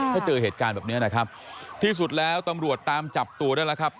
ถ้าเจอเหตุการณ์แบบนี้นะครับที่สุดแล้วตำรวจตามจับตัวได้แล้วครับ